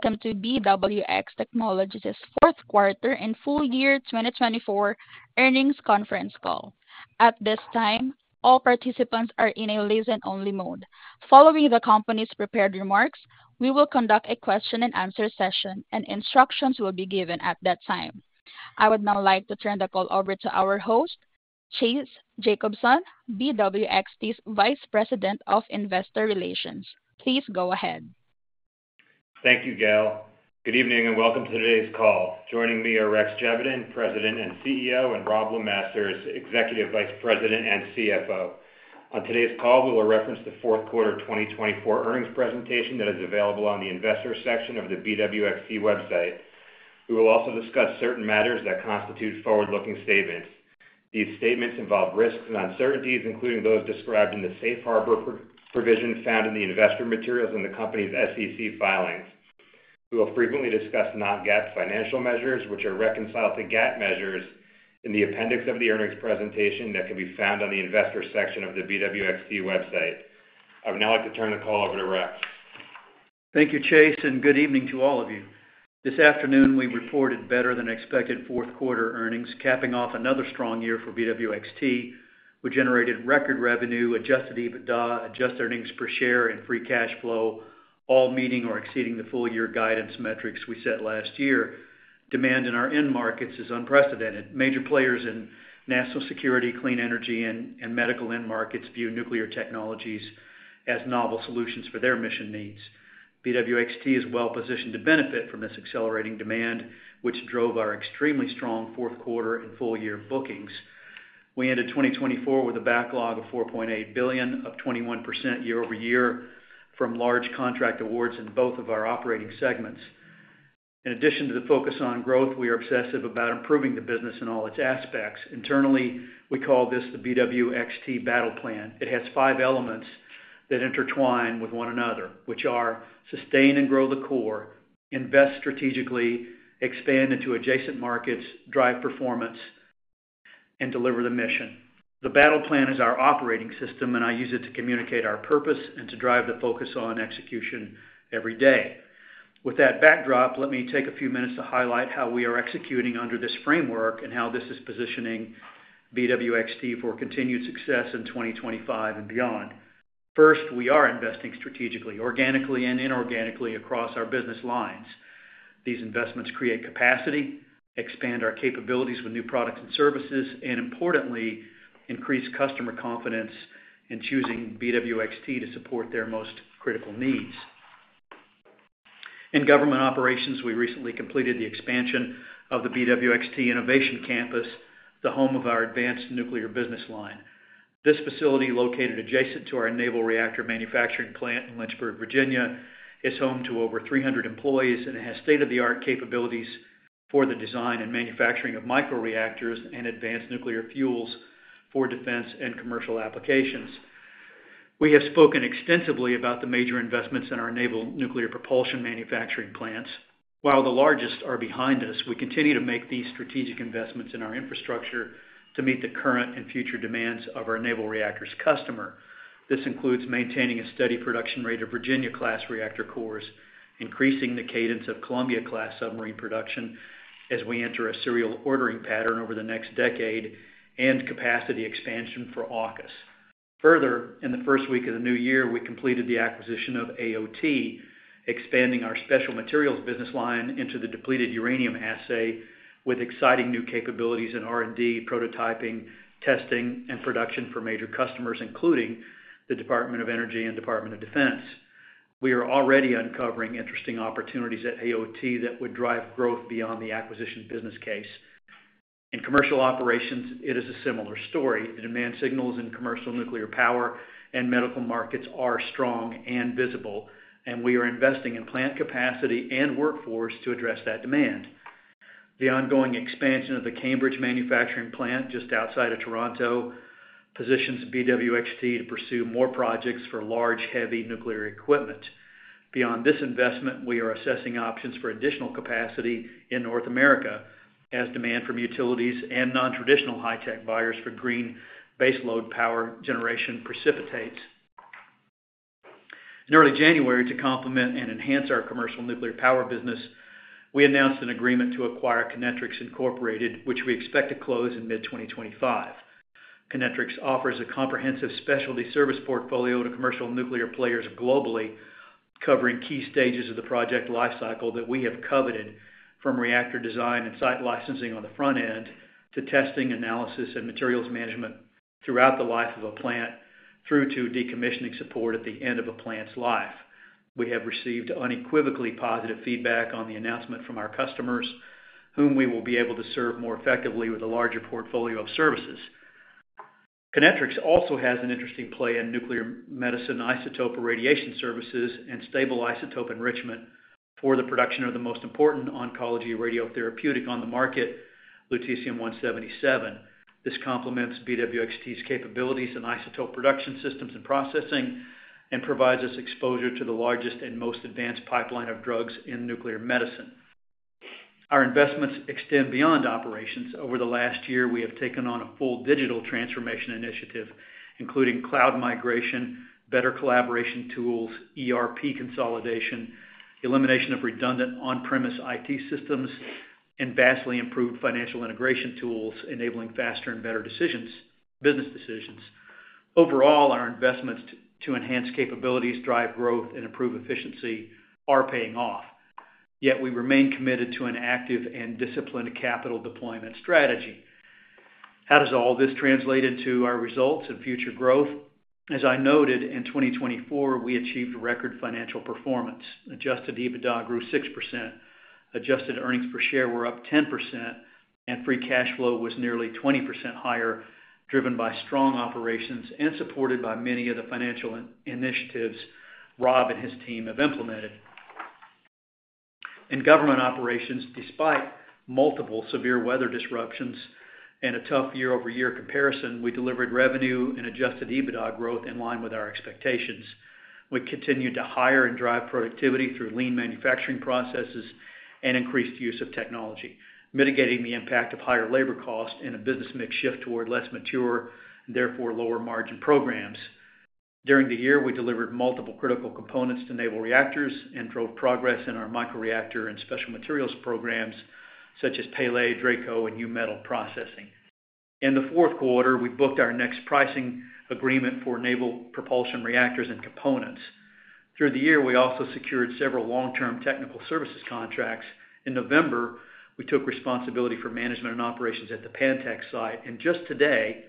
Welcome to BWX Technologies' Q4 and full year 2024 earnings conference call. At this time, all participants are in a listen-only mode. Following the company's prepared remarks, we will conduct a Q&A session, and instructions will be given at that time. I would now like to turn the call over to our host, Chase Jacobson, BWX's Vice President of Investor Relations. Please go ahead. Thank you, Gail. Good evening and welcome to today's call. Joining me are Rex Geveden, President and CEO, and Robb LeMasters, Executive Vice President and CFO. On today's call, we will reference the Q4 2024 earnings presentation that is available on the Investor section of the BWX website. We will also discuss certain matters that constitute forward-looking statements. These statements involve risks and uncertainties, including those described in the safe harbor provision found in the investor materials and the company's SEC filings. We will frequently discuss non-GAAP financial measures, which are reconciled to GAAP measures in the appendix of the earnings presentation that can be found on the Investor section of the BWX website. I would now like to turn the call over to Rex. Thank you, Chase, and good evening to all of you. This afternoon, we reported better than expected Q4 earnings, capping off another strong year for BWXT. We generated record revenue, adjusted EBITDA, adjusted earnings per share, and free cash flow, all meeting or exceeding the full-year guidance metrics we set last year. Demand in our end markets is unprecedented. Major players in national security, clean energy, and medical end markets view nuclear technologies as novel solutions for their mission needs. BWXT is well-positioned to benefit from this accelerating demand, which drove our extremely strong Q4 and full-year bookings. We ended 2024 with a backlog of $4.8 billion, up 21% year-over-year from large contract awards in both of our operating segments. In addition to the focus on growth, we are obsessive about improving the business in all its aspects. Internally, we call this the BWXT Battle Plan. It has five elements that intertwine with one another, which are: sustain and grow the core, invest strategically, expand into adjacent markets, drive performance, and deliver the mission. The Battle Plan is our operating system, and I use it to communicate our purpose and to drive the focus on execution every day. With that backdrop, let me take a few minutes to highlight how we are executing under this framework and how this is positioning BWXT for continued success in 2025 and beyond. First, we are investing strategically, organically, and inorganically across our business lines. These investments create capacity, expand our capabilities with new products and services, and, importantly, increase customer confidence in choosing BWXT to support their most critical needs. In Government Operations, we recently completed the expansion of the BWXT Innovation Campus, the home of our advanced nuclear business line. This facility, located adjacent to our naval reactor manufacturing plant in Lynchburg, Virginia, is home to over 300 employees and has state-of-the-art capabilities for the design and manufacturing of micro-reactors and advanced nuclear fuels for defense and commercial applications. We have spoken extensively about the major investments in our naval nuclear propulsion manufacturing plants. While the largest are behind us, we continue to make these strategic investments in our infrastructure to meet the current and future demands of our naval reactor's customer. This includes maintaining a steady production rate of Virginia-class reactor cores, increasing the cadence of Columbia-class submarine production as we enter a serial ordering pattern over the next decade, and capacity expansion for AUKUS. Further, in the first week of the new year, we completed the acquisition of AOT, expanding our special materials business line into the depleted uranium assay with exciting new capabilities in R&D, prototyping, testing, and production for major customers, including the Department of Energy and Department of Defense. We are already uncovering interesting opportunities at AOT that would drive growth beyond the acquisition business case. In Commercial Operations, it is a similar story. The demand signals in commercial nuclear power and medical markets are strong and visible, and we are investing in plant capacity and workforce to address that demand. The ongoing expansion of the Cambridge manufacturing plant just outside of Toronto positions BWXT to pursue more projects for large, heavy nuclear equipment. Beyond this investment, we are assessing options for additional capacity in North America as demand from utilities and non-traditional high-tech buyers for green baseload power generation precipitates. In early January, to complement and enhance our commercial nuclear power business, we announced an agreement to acquire Kinectrics Inc., which we expect to close in mid-2025. Kinectrics offers a comprehensive specialty service portfolio to commercial nuclear players globally, covering key stages of the project lifecycle that we have coveted, from reactor design and site licensing on the front end to testing, analysis, and materials management throughout the life of a plant, through to decommissioning support at the end of a plant's life. We have received unequivocally positive feedback on the announcement from our customers, whom we will be able to serve more effectively with a larger portfolio of services. Kinectrics also has an interesting play in nuclear medicine isotope radiation services and stable isotope enrichment for the production of the most important oncology radiotherapeutic on the market, Lutetium-177. This complements BWXT's capabilities in isotope production systems and processing and provides us exposure to the largest and most advanced pipeline of drugs in nuclear medicine. Our investments extend beyond operations. Over the last year, we have taken on a full digital transformation initiative, including cloud migration, better collaboration tools, ERP consolidation, elimination of redundant on-premise IT systems, and vastly improved financial integration tools, enabling faster and better business decisions. Overall, our investments to enhance capabilities, drive growth, and improve efficiency are paying off, yet we remain committed to an active and disciplined capital deployment strategy. How does all this translate into our results and future growth? As I noted, in 2024, we achieved record financial performance. Adjusted EBITDA grew 6%, adjusted earnings per share were up 10%, and free cash flow was nearly 20% higher, driven by strong operations and supported by many of the financial initiatives Rob and his team have implemented. In government operations, despite multiple severe weather disruptions and a tough year-over-year comparison, we delivered revenue and adjusted EBITDA growth in line with our expectations. We continued to hire and drive productivity through lean manufacturing processes and increased use of technology, mitigating the impact of higher labor costs and a business mix shift toward less mature and therefore lower-margin programs. During the year, we delivered multiple critical components to naval reactors and drove progress in our micro-reactor and special materials programs such as Pele, Draco, and U-metal processing. In the Q4, we booked our next pricing agreement for naval propulsion reactors and components. Through the year, we also secured several long-term technical services contracts. In November, we took responsibility for management and operations at the Pantex site, and just today,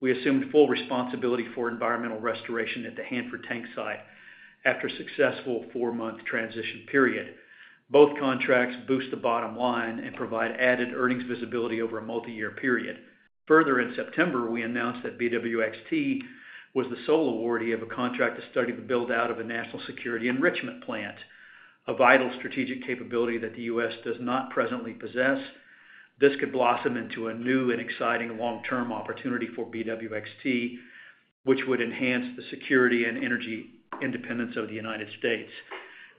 we assumed full responsibility for environmental restoration at the Hanford Site after a successful four-month transition period. Both contracts boost the bottom line and provide added earnings visibility over a multi-year period. Further, in September, we announced that BWXT was the sole awardee of a contract to study the build-out of a national security enrichment plant, a vital strategic capability that the U.S. does not presently possess. This could blossom into a new and exciting long-term opportunity for BWXT, which would enhance the security and energy independence of the United States.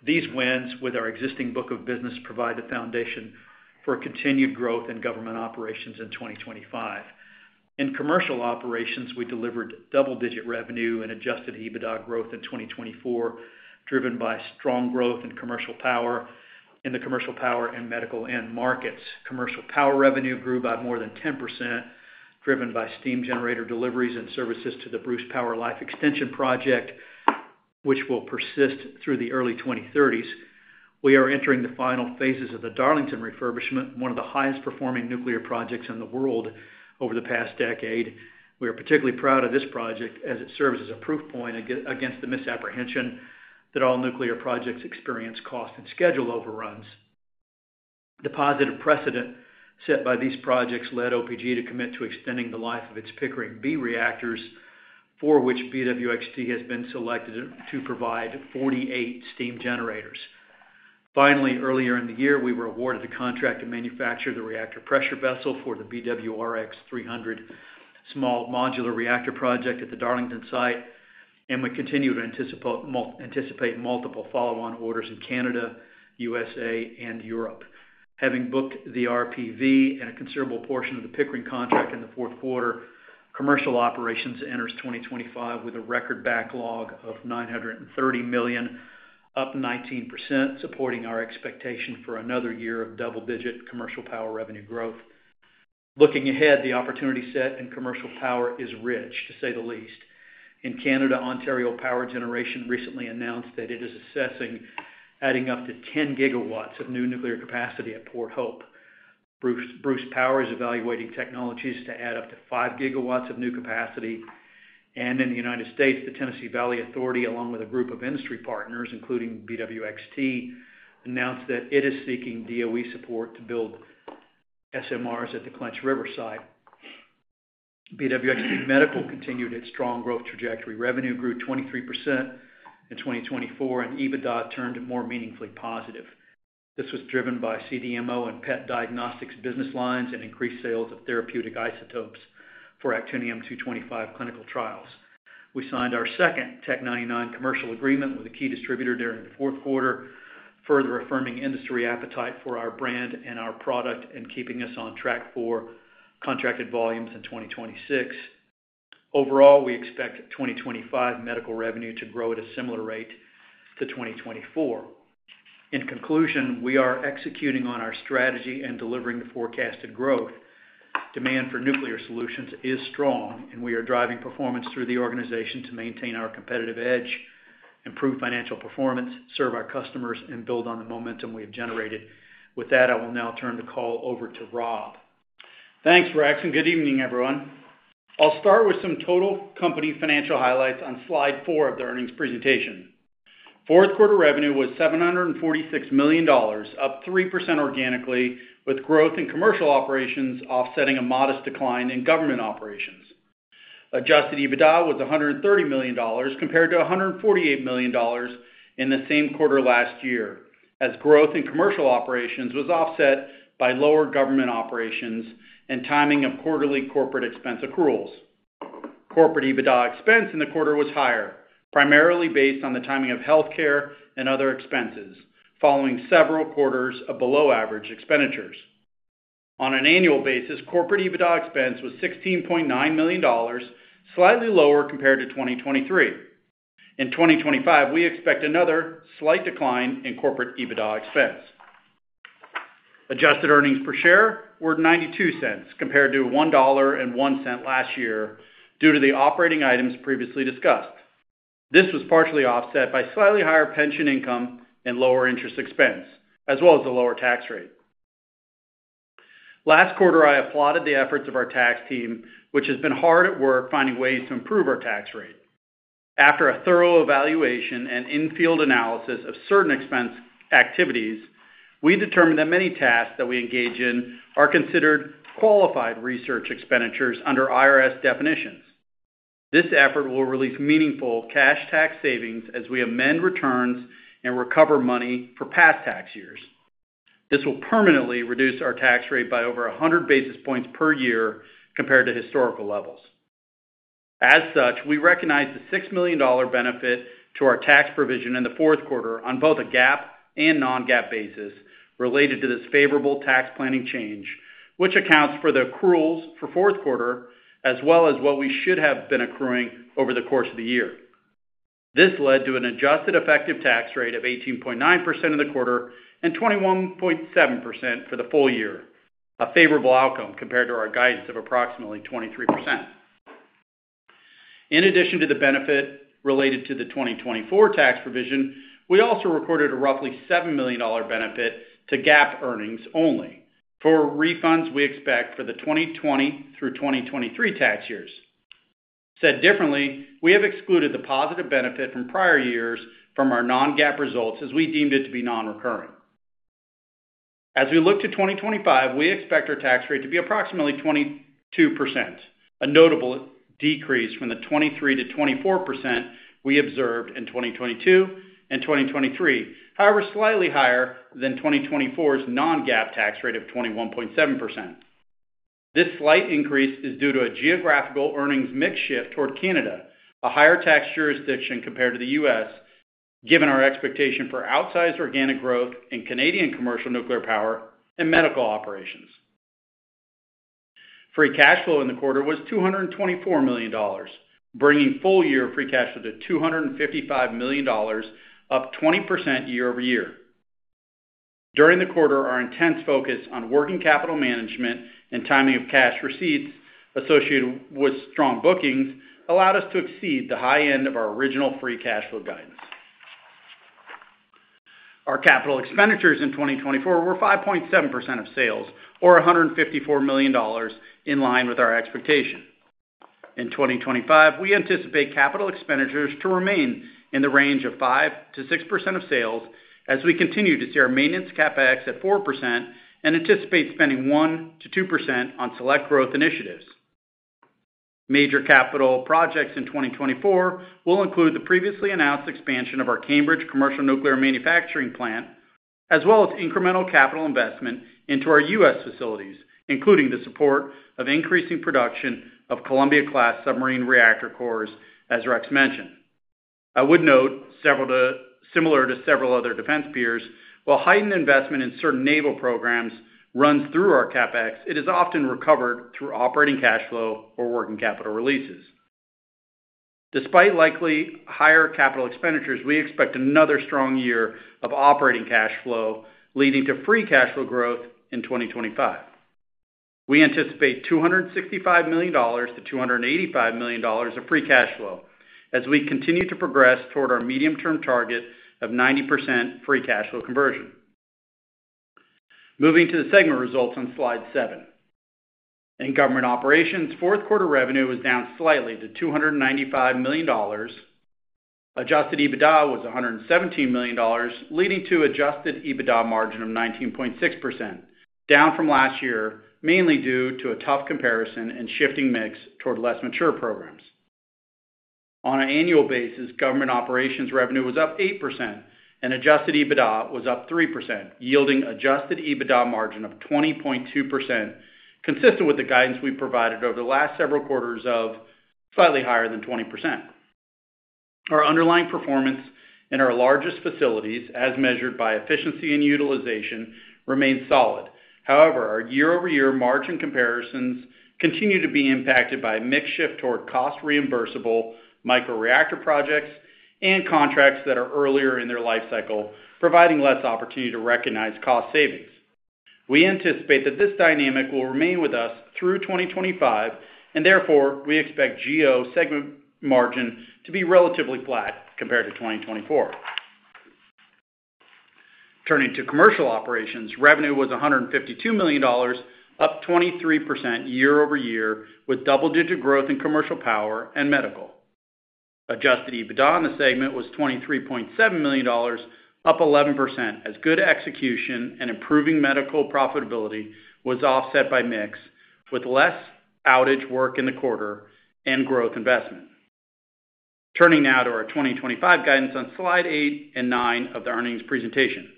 These wins, with our existing book of business, provide the foundation for continued growth in government operations in 2025. In commercial operations, we delivered double-digit revenue and Adjusted EBITDA growth in 2024, driven by strong growth in commercial power and medical end markets. Commercial power revenue grew by more than 10%, driven by steam generator deliveries and services to the Bruce Power Life Extension Project, which will persist through the early 2030s. We are entering the final phases of the Darlington refurbishment, one of the highest-performing nuclear projects in the world over the past decade. We are particularly proud of this project as it serves as a proof point against the misapprehension that all nuclear projects experience cost and schedule overruns. The positive precedent set by these projects led OPG to commit to extending the life of its Pickering B reactors, for which BWXT has been selected to provide 48 steam generators. Finally, earlier in the year, we were awarded the contract to manufacture the reactor pressure vessel for the BWRX-300 small modular reactor project at the Darlington site, and we continue to anticipate multiple follow-on orders in Canada, USA, and Europe. Having booked the RPV and a considerable portion of the Pickering contract in the Q4, commercial operations enters 2025 with a record backlog of $930 million, up 19%, supporting our expectation for another year of double-digit commercial power revenue growth. Looking ahead, the opportunity set in commercial power is rich, to say the least. In Canada, Ontario Power Generation recently announced that it is assessing adding up to 10 gigawatts of new nuclear capacity at Port Hope. Bruce Power is evaluating technologies to add up to 5 gigawatts of new capacity. And in the United States, the Tennessee Valley Authority, along with a group of industry partners, including BWXT, announced that it is seeking DOE support to build SMRs at the Clinch River site. BWXT Medical continued its strong growth trajectory. Revenue grew 23% in 2024, and EBITDA turned more meaningfully positive. This was driven by CDMO and PET diagnostics business lines and increased sales of therapeutic isotopes for Actinium-225 clinical trials. We signed our second Tc-99m commercial agreement with a key distributor during the Q4, further affirming industry appetite for our brand and our product and keeping us on track for contracted volumes in 2026. Overall, we expect 2025 medical revenue to grow at a similar rate to 2024. In conclusion, we are executing on our strategy and delivering the forecasted growth. Demand for nuclear solutions is strong, and we are driving performance through the organization to maintain our competitive edge, improve financial performance, serve our customers, and build on the momentum we have generated. With that, I will now turn the call over to Rob. Thanks, Rex. And good evening, everyone. I'll start with some total company financial highlights on slide four of the earnings presentation. Q4 revenue was $746 million, up 3% organically, with growth in commercial operations offsetting a modest decline in government operations. Adjusted EBITDA was $130 million, compared to $148 million in the same quarter last year, as growth in commercial operations was offset by lower government operations and timing of quarterly corporate expense accruals. Corporate EBITDA expense in the quarter was higher, primarily based on the timing of healthcare and other expenses, following several quarters of below-average expenditures. On an annual basis, corporate EBITDA expense was $16.9 million, slightly lower compared to 2023. In 2025, we expect another slight decline in corporate EBITDA expense. Adjusted earnings per share were $0.92, compared to $1.01 last year due to the operating items previously discussed. This was partially offset by slightly higher pension income and lower interest expense, as well as a lower tax rate. Last quarter, I applauded the efforts of our tax team, which has been hard at work finding ways to improve our tax rate. After a thorough evaluation and in-field analysis of certain expense activities, we determined that many tasks that we engage in are considered qualified research expenditures under IRS definitions. This effort will release meaningful cash tax savings as we amend returns and recover money for past tax years. This will permanently reduce our tax rate by over 100 basis points per year compared to historical levels. As such, we recognize the $6 million benefit to our tax provision in the Q4 on both a GAAP and non-GAAP basis related to this favorable tax planning change, which accounts for the accruals for Q4, as well as what we should have been accruing over the course of the year. This led to an adjusted effective tax rate of 18.9% of the quarter and 21.7% for the full year, a favorable outcome compared to our guidance of approximately 23%. In addition to the benefit related to the 2024 tax provision, we also recorded a roughly $7 million benefit to GAAP earnings only for refunds we expect for the 2020 through 2023 tax years. Said differently, we have excluded the positive benefit from prior years from our non-GAAP results as we deemed it to be non-recurring. As we look to 2025, we expect our tax rate to be approximately 22%, a notable decrease from the 23% to 24% we observed in 2022 and 2023, however slightly higher than 2024's non-GAAP tax rate of 21.7%. This slight increase is due to a geographical earnings mix shift toward Canada, a higher tax jurisdiction compared to the U.S., given our expectation for outsized organic growth in Canadian commercial nuclear power and medical operations. Free cash flow in the quarter was $224 million, bringing full-year free cash flow to $255 million, up 20% year over year. During the quarter, our intense focus on working capital management and timing of cash receipts associated with strong bookings allowed us to exceed the high end of our original free cash flow guidance. Our capital expenditures in 2024 were 5.7% of sales, or $154 million, in line with our expectation. In 2025, we anticipate capital expenditures to remain in the range of 5% to 6% of sales as we continue to see our maintenance CapEx at 4% and anticipate spending 1% to 2% on select growth initiatives. Major capital projects in 2024 will include the previously announced expansion of our Cambridge Commercial Nuclear Manufacturing Plant, as well as incremental capital investment into our U.S. facilities, including the support of increasing production of Columbia-class submarine reactor cores, as Rex mentioned. I would note, similar to several other defense peers, while heightened investment in certain naval programs runs through our CapEx, it is often recovered through operating cash flow or working capital releases. Despite likely higher capital expenditures, we expect another strong year of operating cash flow, leading to free cash flow growth in 2025. We anticipate $265 million to 285 million of free cash flow as we continue to progress toward our medium-term target of 90% free cash flow conversion. Moving to the segment results on slide seven. In government operations, Q4 revenue was down slightly to $295 million. Adjusted EBITDA was $117 million, leading to an adjusted EBITDA margin of 19.6%, down from last year, mainly due to a tough comparison and shifting mix toward less mature programs. On an annual basis, government operations revenue was up 8%, and Adjusted EBITDA was up 3%, yielding an Adjusted EBITDA margin of 20.2%, consistent with the guidance we provided over the last several quarters of slightly higher than 20%. Our underlying performance in our largest facilities, as measured by efficiency and utilization, remains solid. However, our year-over-year margin comparisons continue to be impacted by a mixed shift toward cost-reimbursable micro-reactor projects and contracts that are earlier in their life cycle, providing less opportunity to recognize cost savings. We anticipate that this dynamic will remain with us through 2025, and therefore, we expect GO segment margin to be relatively flat compared to 2024. Turning to commercial operations, revenue was $152 million, up 23% year over year, with double-digit growth in commercial power and medical. Adjusted EBITDA in the segment was $23.7 million, up 11%, as good execution and improving medical profitability was offset by mix with less outage work in the quarter and growth investment. Turning now to our 2025 guidance on slides eight and nine of the earnings presentation.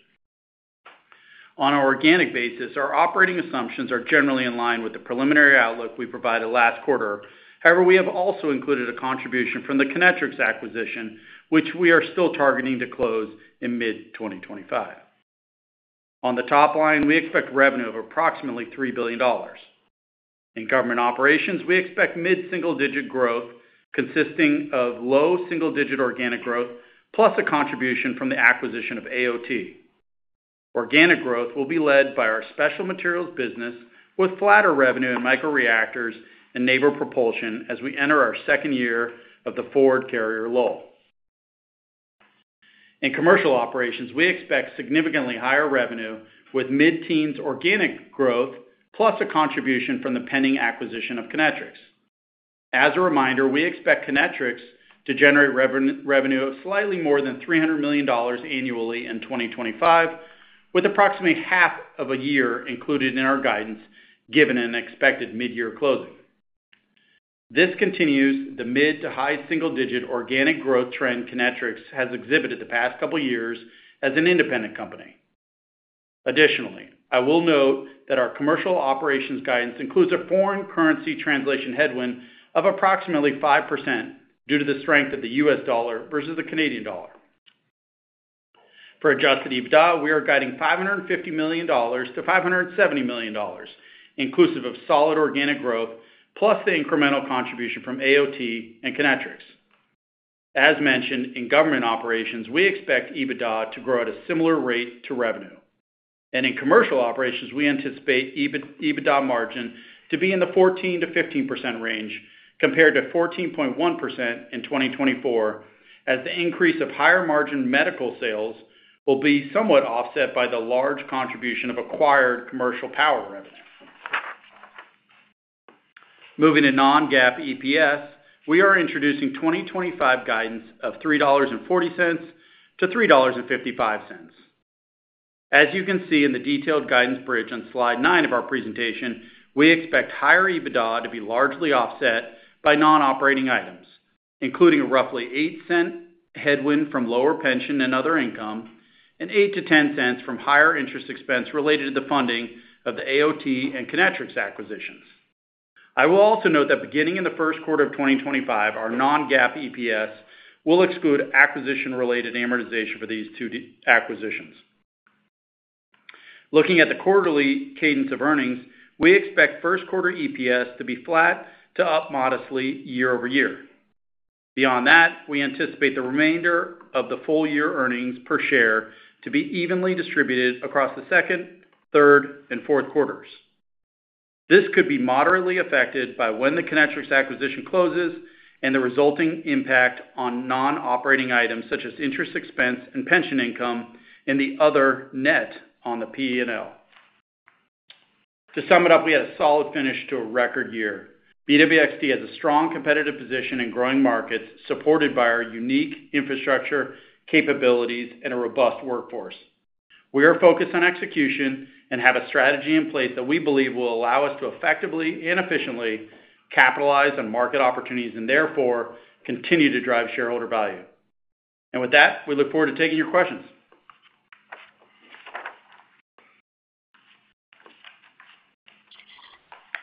On an organic basis, our operating assumptions are generally in line with the preliminary outlook we provided last quarter. However, we have also included a contribution from the Kinectrics acquisition, which we are still targeting to close in mid-2025. On the top line, we expect revenue of approximately $3 billion. In government operations, we expect mid-single-digit growth consisting of low single-digit organic growth, plus a contribution from the acquisition of AOT. Organic growth will be led by our special materials business, with flatter revenue in micro-reactors and naval propulsion as we enter our second year of the Ford carrier lull. In commercial operations, we expect significantly higher revenue with mid-teens organic growth, plus a contribution from the pending acquisition of Kinectrics. As a reminder, we expect Kinectrics to generate revenue of slightly more than $300 million annually in 2025, with approximately half of a year included in our guidance, given an expected mid-year closing. This continues the mid to high single-digit organic growth trend Kinectrics has exhibited the past couple of years as an independent company. Additionally, I will note that our commercial operations guidance includes a foreign currency translation headwind of approximately 5% due to the strength of the U.S. dollar versus the Canadian dollar. For Adjusted EBITDA, we are guiding $550 million to 570 million, inclusive of solid organic growth, plus the incremental contribution from AOT and Kinectrics. As mentioned, in government operations, we expect EBITDA to grow at a similar rate to revenue. And in commercial operations, we anticipate EBITDA margin to be in the 14% to 15% range, compared to 14.1% in 2024, as the increase of higher margin medical sales will be somewhat offset by the large contribution of acquired commercial power revenue. Moving to non-GAAP EPS, we are introducing 2025 guidance of $3.40 to $3.55. As you can see in the detailed guidance bridge on slide nine of our presentation, we expect higher EBITDA to be largely offset by non-operating items, including a roughly $0.08 headwind from lower pension and other income, and $0.08 to $0.10 from higher interest expense related to the funding of the AOT and Kinectrics acquisitions. I will also note that beginning in the Q1 of 2025, our non-GAAP EPS will exclude acquisition-related amortization for these two acquisitions. Looking at the quarterly cadence of earnings, we expect Q1 EPS to be flat to up modestly year over year. Beyond that, we anticipate the remainder of the full-year earnings per share to be evenly distributed across the Q2, Q3, and Q4s. This could be moderately affected by when the Kinectrics acquisition closes and the resulting impact on non-operating items such as interest expense and pension income and the other net on the P&L. To sum it up, we had a solid finish to a record year. BWXT has a strong competitive position in growing markets supported by our unique infrastructure, capabilities, and a robust workforce. We are focused on execution and have a strategy in place that we believe will allow us to effectively and efficiently capitalize on market opportunities and therefore continue to drive shareholder value and with that, we look forward to taking your questions.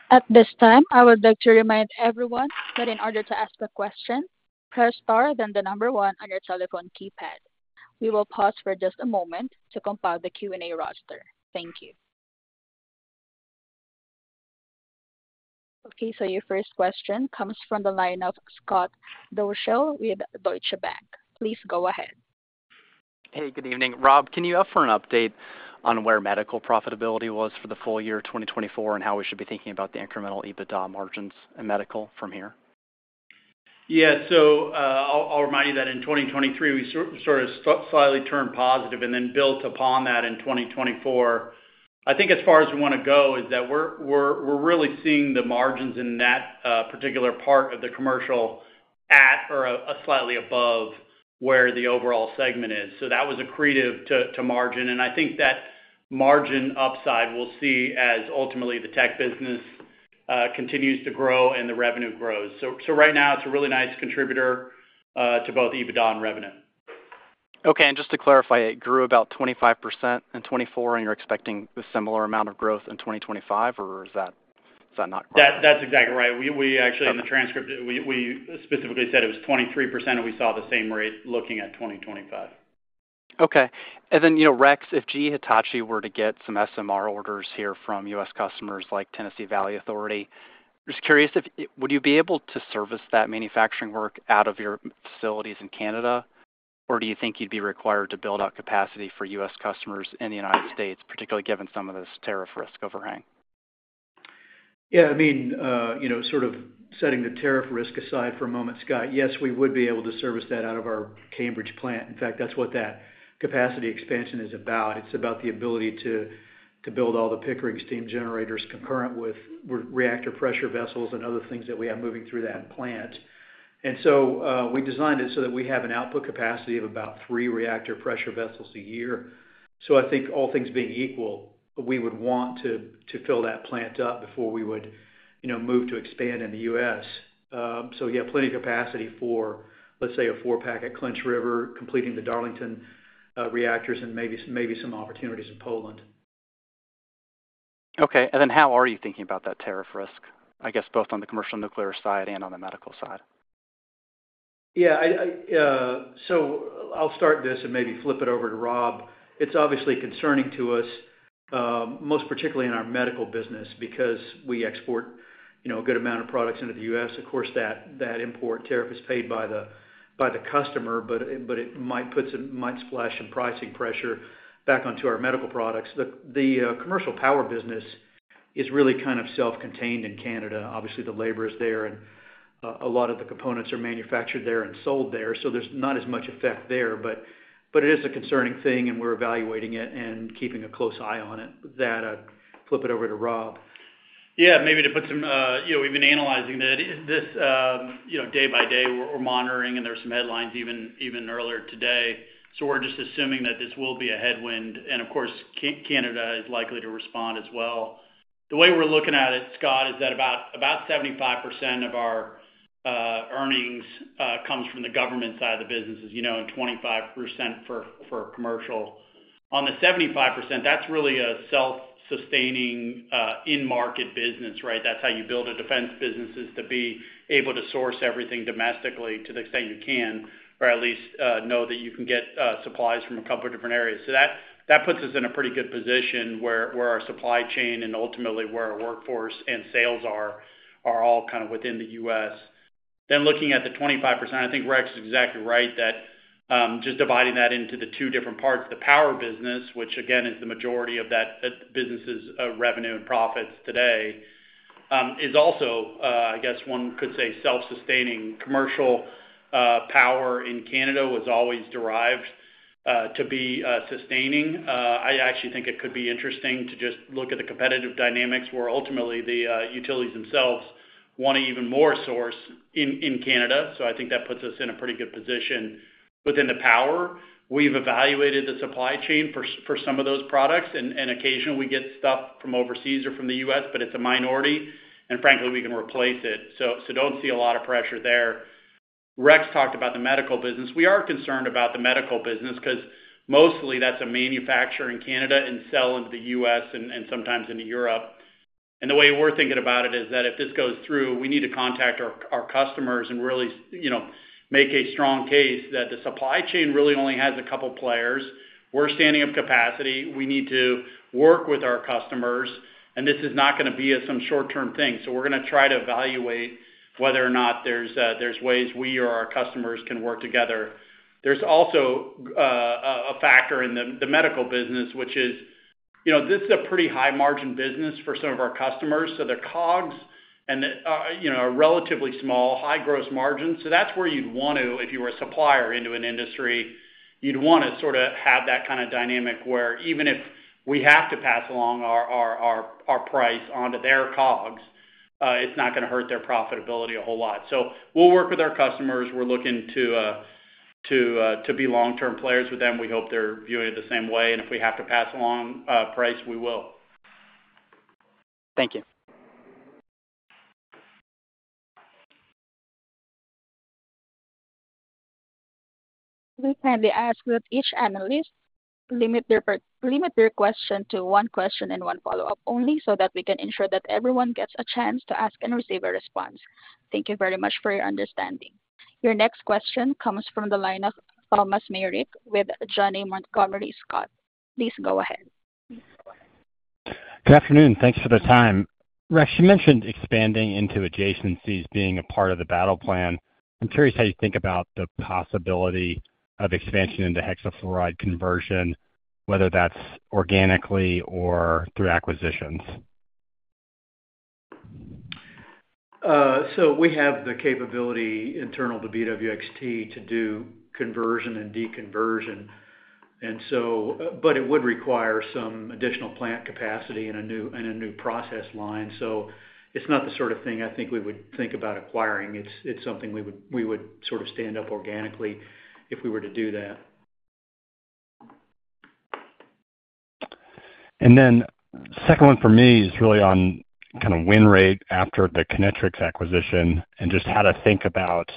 At this time, I would like to remind everyone that in order to ask a question, press star then the number one on your telephone keypad. We will pause for just a moment to compile the Q&A roster. Thank you. Okay, so your first question comes from the line of Scott Deuschle with Deutsche Bank. Please go ahead. Hey, good evening. Rob, can you offer an update on where medical profitability was for the full year 2024 and how we should be thinking about the incremental EBITDA margins in medical from here? Yeah, so I'll remind you that in 2023, we sort of slightly turned positive and then built upon that in 2024. I think as far as we want to go is that we're really seeing the margins in that particular part of the commercial at or slightly above where the overall segment is. So that was accretive to margin. And I think that margin upside we'll see as ultimately the tech business continues to grow and the revenue grows. So right now, it's a really nice contributor to both EBITDA and revenue. Okay, and just to clarify, it grew about 25% in 2024 and you're expecting a similar amount of growth in 2025, or is that not correct? That's exactly right. We actually, in the transcript, we specifically said it was 23% and we saw the same rate looking at 2025. Okay. And then, Rex, if GE Hitachi were to get some SMR orders here from U.S. customers like Tennessee Valley Authority, I'm just curious, would you be able to service that manufacturing work out of your facilities in Canada, or do you think you'd be required to build out capacity for U.S. customers in the United States, particularly given some of this tariff risk overhang? Yeah, I mean, sort of setting the tariff risk aside for a moment, Scott, yes, we would be able to service that out of our Cambridge plant. In fact, that's what that capacity expansion is about. It's about the ability to build all the Pickering steam generators concurrent with reactor pressure vessels and other things that we have moving through that plant. And so we designed it so that we have an output capacity of about three reactor pressure vessels a year. So I think all things being equal, we would want to fill that plant up before we would move to expand in the U.S. So we have plenty of capacity for, let's say, a four-pack at Clinch River completing the Darlington reactors and maybe some opportunities in Poland. Okay. And then how are you thinking about that tariff risk, I guess, both on the commercial nuclear side and on the medical side? Yeah. So I'll start this and maybe flip it over to Rob. It's obviously concerning to us, most particularly in our medical business, because we export a good amount of products into the U.S. Of course, that import tariff is paid by the customer, but it might splash some pricing pressure back onto our medical products. The commercial power business is really kind of self-contained in Canada. Obviously, the labor is there and a lot of the components are manufactured there and sold there, so there's not as much effect there. But it is a concerning thing and we're evaluating it and keeping a close eye on it. That, I'd flip it over to Rob. Yeah, maybe to put some we've been analyzing this day by day. We're monitoring and there's some headlines even earlier today. So we're just assuming that this will be a headwind. And of course, Canada is likely to respond as well. The way we're looking at it, Scott, is that about 75% of our earnings comes from the government side of the business, as you know, and 25% for commercial. On the 75%, that's really a self-sustaining in-market business, right? That's how you build a defense business, is to be able to source everything domestically to the extent you can, or at least know that you can get supplies from a couple of different areas. So that puts us in a pretty good position where our supply chain and ultimately where our workforce and sales are all kind of within the U.S. Then looking at the 25%, I think Rex is exactly right that just dividing that into the two different parts, the power business, which again is the majority of that business's revenue and profits today, is also, I guess one could say, self-sustaining. Commercial power in Canada was always derived to be sustaining. I actually think it could be interesting to just look at the competitive dynamics where ultimately the utilities themselves want to even more source in Canada. So I think that puts us in a pretty good position within the power. We've evaluated the supply chain for some of those products, and occasionally we get stuff from overseas or from the U.S., but it's a minority. And frankly, we can replace it. So don't see a lot of pressure there. Rex talked about the medical business. We are concerned about the medical business because mostly that's a manufacturer in Canada and sell into the U.S. and sometimes into Europe, and the way we're thinking about it is that if this goes through, we need to contact our customers and really make a strong case that the supply chain really only has a couple of players. We're standing up capacity. We need to work with our customers, and this is not going to be some short-term thing, so we're going to try to evaluate whether or not there's ways we or our customers can work together. There's also a factor in the medical business, which is this is a pretty high-margin business for some of our customers, so their COGS and a relatively small high-gross margin. So that's where you'd want to, if you were a supplier into an industry, you'd want to sort of have that kind of dynamic where even if we have to pass along our price onto their COGS, it's not going to hurt their profitability a whole lot. So we'll work with our customers. We're looking to be long-term players with them. We hope they're viewing it the same way. And if we have to pass along price, we will. Thank you. We kindly ask that each analyst limit their question to one question and one follow-up only so that we can ensure that everyone gets a chance to ask and receive a response. Thank you very much for your understanding. Your next question comes from the line of Thomas Meric with Janney Montgomery Scott. Please go ahead. Good afternoon. Thanks for the time. Rex, you mentioned expanding into adjacencies being a part of the battle plan. I'm curious how you think about the possibility of expansion into hexafluoride conversion, whether that's organically or through acquisitions. So we have the capability internal to BWXT to do conversion and deconversion. But it would require some additional plant capacity and a new process line. So it's not the sort of thing I think we would think about acquiring. It's something we would sort of stand up organically if we were to do that. And then the second one for me is really on kind of win rate after the Kinectrics acquisition and just how to think about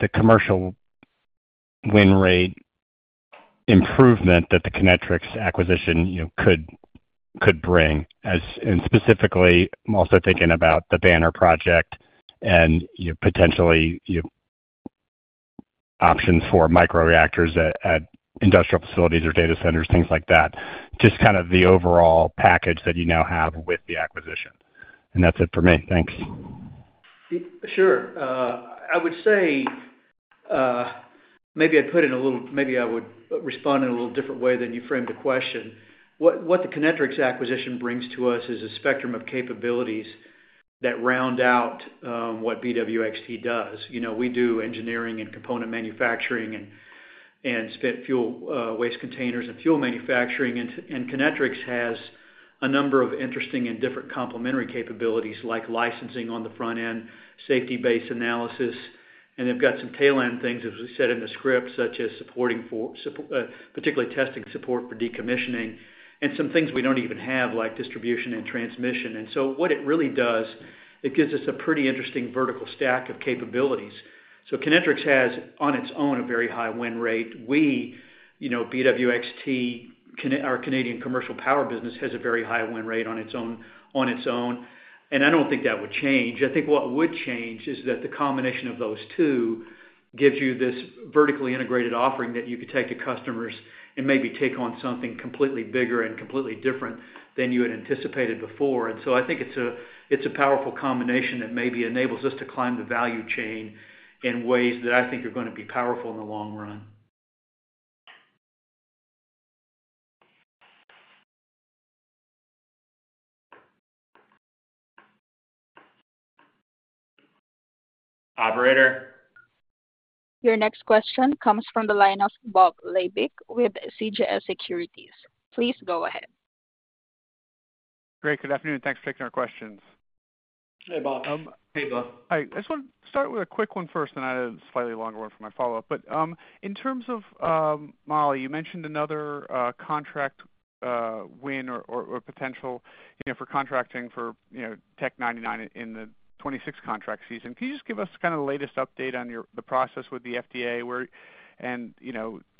the commercial win rate improvement that the Kinectrics acquisition could bring. And specifically, I'm also thinking about the BANR project and potentially options for micro reactors at industrial facilities or data centers, things like that. Just kind of the overall package that you now have with the acquisition. And that's it for me. Thanks. Sure. I would say maybe I would respond in a little different way than you framed the question. What the Kinectrics acquisition brings to us is a spectrum of capabilities that round out what BWXT does. We do engineering and component manufacturing and spent fuel waste containers and fuel manufacturing. And Kinectrics has a number of interesting and different complementary capabilities like licensing on the front end, safety-based analysis. And they've got some tail-end things, as we said in the script, such as supporting particularly testing support for decommissioning and some things we don't even have like distribution and transmission. And so what it really does, it gives us a pretty interesting vertical stack of capabilities. So Kinectrics has on its own a very high win rate. We, BWXT, our Canadian commercial power business, has a very high win rate on its own. And I don't think that would change. I think what would change is that the combination of those two gives you this vertically integrated offering that you could take to customers and maybe take on something completely bigger and completely different than you had anticipated before. And so I think it's a powerful combination that maybe enables us to climb the value chain in ways that I think are going to be powerful in the long run. Operator. Your next question comes from the line of Bob Labick with CJS Securities. Please go ahead. Great. Good afternoon. Thanks for taking our questions. Hey, Bob. Hey, Bob. I just want to start with a quick one first, and I have a slightly longer one for my follow-up. But in terms of Mo-99, you mentioned another contract win or potential for contracting for Tc-99m in the 2026 contract season. Can you just give us kind of the latest update on the process with the FDA and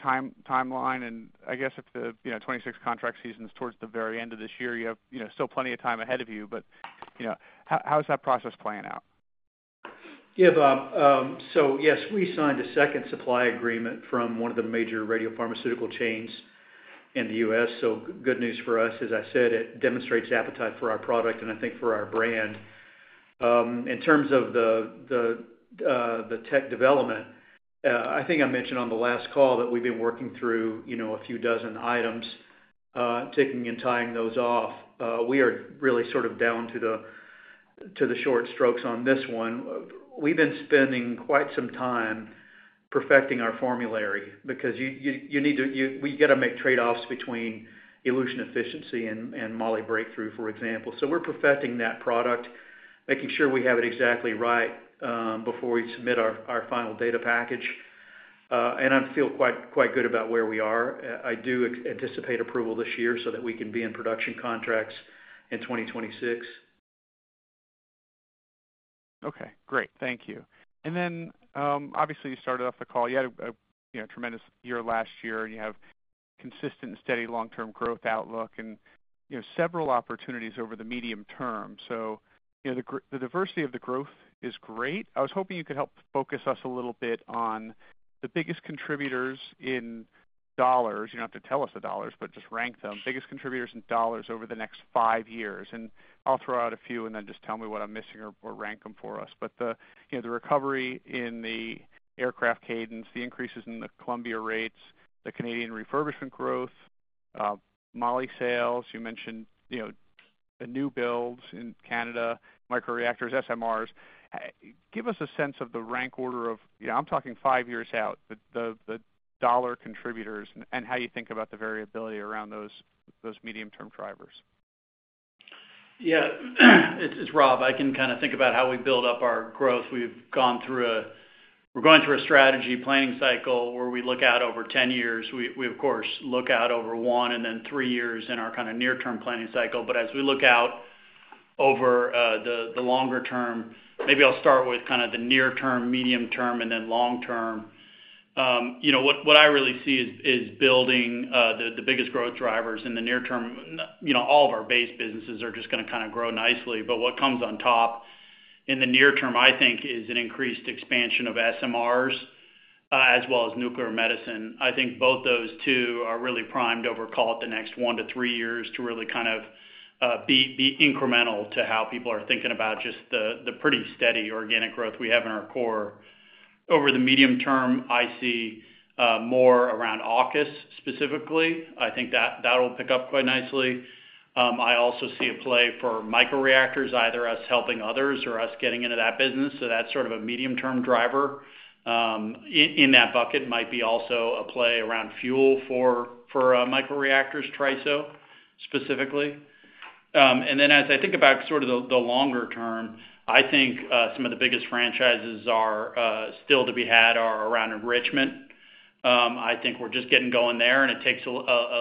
timeline? And I guess if the 2026 contract season is towards the very end of this year, you have still plenty of time ahead of you. But how is that process playing out? Yeah, Bob. So yes, we signed a second supply agreement from one of the major radiopharmaceutical chains in the U.S. So good news for us, as I said, it demonstrates appetite for our product and I think for our brand. In terms of the tech development, I think I mentioned on the last call that we've been working through a few dozen items, taking and tying those off. We are really sort of down to the short strokes on this one. We've been spending quite some time perfecting our formulation because we've got to make trade-offs between elution efficiency and moly breakthrough, for example. So we're perfecting that product, making sure we have it exactly right before we submit our final data package. And I feel quite good about where we are. I do anticipate approval this year so that we can be in production contracts in 2026. Okay. Great. Thank you. And then obviously, you started off the call. You had a tremendous year last year. You have consistent and steady long-term growth outlook and several opportunities over the medium term. The diversity of the growth is great. I was hoping you could help focus us a little bit on the biggest contributors in dollars. You don't have to tell us the dollars, but just rank them. Biggest contributors in dollars over the next five years. I'll throw out a few and then just tell me what I'm missing or rank them for us. The recovery in the aircraft cadence, the increases in the Columbia rates, the Canadian refurbishment growth, moly sales, you mentioned the new builds in Canada, micro-reactors, SMRs. Give us a sense of the rank order of. I'm talking five years out, the dollar contributors and how you think about the variability around those medium-term drivers. Yeah. It's Rob. I can kind of think about how we build up our growth. We've gone through a strategy planning cycle where we look out over 10 years. We, of course, look out over one and then three years in our kind of near-term planning cycle. But as we look out over the longer term, maybe I'll start with kind of the near-term, medium-term, and then long-term. What I really see is building the biggest growth drivers in the near term. All of our base businesses are just going to kind of grow nicely. But what comes on top in the near term, I think, is an increased expansion of SMRs as well as nuclear medicine. I think both those two are really primed over, call it the next one to three years to really kind of be incremental to how people are thinking about just the pretty steady organic growth we have in our core. Over the medium term, I see more around AUKUS specifically. I think that will pick up quite nicely. I also see a play for micro reactors, either us helping others or us getting into that business. So that's sort of a medium-term driver. In that bucket might be also a play around fuel for micro reactors, TRISO specifically. And then as I think about sort of the longer term, I think some of the biggest franchises still to be had are around enrichment. I think we're just getting going there, and it takes a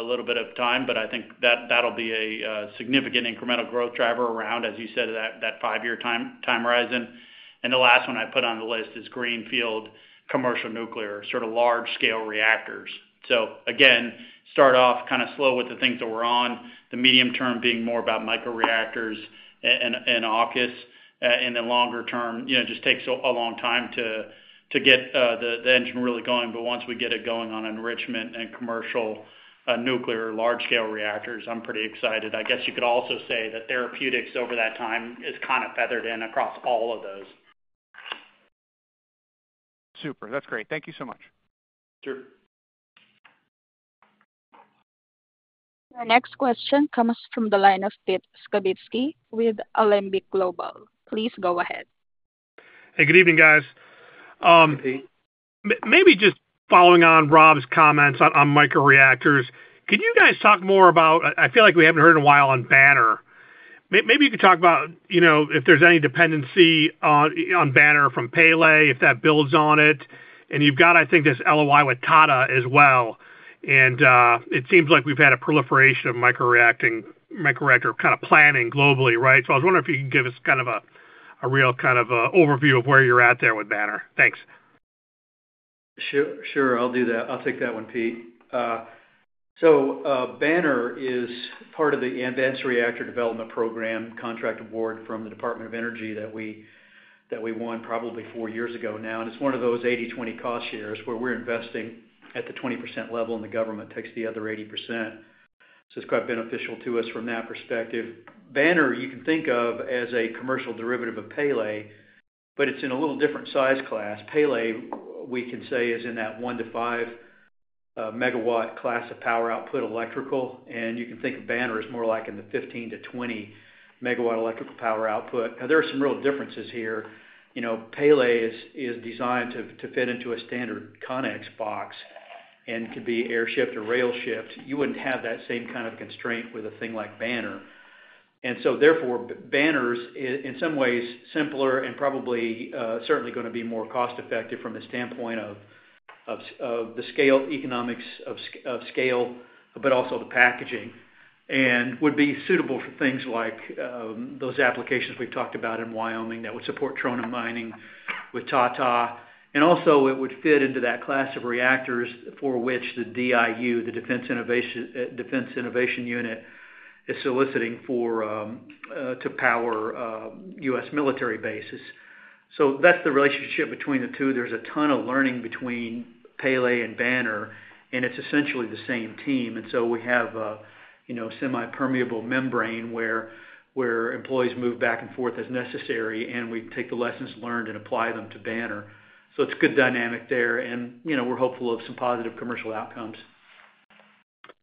little bit of time, but I think that'll be a significant incremental growth driver around, as you said, that five-year time horizon. And the last one I put on the list is greenfield commercial nuclear, sort of large-scale reactors. So again, start off kind of slow with the things that we're on, the medium term being more about micro reactors and AUKUS. In the longer term, it just takes a long time to get the engine really going. But once we get it going on enrichment and commercial nuclear large-scale reactors, I'm pretty excited. I guess you could also say that therapeutics over that time is kind of feathered in across all of those. Super. That's great. Thank you so much. Sure. Your next question comes from the line of Pete Skibitski with Alembic Global. Please go ahead. Hey, good evening, guys. Hey, Pete. Maybe just following on Rob's comments on micro reactors, could you guys talk more about. I feel like we haven't heard in a while on BANR. Maybe you could talk about if there's any dependency on BANR from Pele if that builds on it. You've got, I think, this LOI with Tata as well. It seems like we've had a proliferation of micro reactor kind of planning globally, right? I was wondering if you could give us kind of a real kind of overview of where you're at there with BANR. Thanks. Sure. Sure. I'll do that. I'll take that one, Pete. BANR is part of the advanced reactor development program contract award from the Department of Energy that we won probably four years ago now. It's one of those 80/20 cost shares where we're investing at the 20% level, and the government takes the other 80%. It's quite beneficial to us from that perspective. BANR, you can think of as a commercial derivative of Pele, but it's in a little different size class. Pele, we can say, is in that one to five megawatt class of power output electrical. You can think of BANR as more like in the 15 to 20 megawatt electrical power output. Now, there are some real differences here. Pele is designed to fit into a standard CONEX box and could be airshipped or railshipped. You wouldn't have that same kind of constraint with a thing like BANR. And so therefore, BANR is in some ways simpler and probably certainly going to be more cost-effective from the standpoint of the economies of scale, but also the packaging, and would be suitable for things like those applications we've talked about in Wyoming that would support trona mining with Tata. It would fit into that class of reactors for which the DIU, the Defense Innovation Unit, is soliciting to power U.S. military bases. So that's the relationship between the two. There's a ton of learning between Pele and BANR, and it's essentially the same team. And so we have a semi-permeable membrane where employees move back and forth as necessary, and we take the lessons learned and apply them to BANR. So it's a good dynamic there. And we're hopeful of some positive commercial outcomes.